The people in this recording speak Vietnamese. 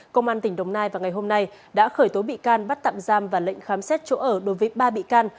công an tỉnh đồng nai vào ngày hôm nay đã khởi tố bị can bắt tạm giam và lệnh khám xét chỗ ở đối với ba bị can